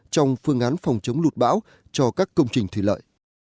trong phương án phòng chống lụt bão cho các công trình thủy lợi